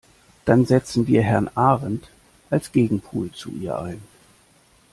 Dann setzen wir Herrn Ahrendt als Gegenpol zu ihr ein.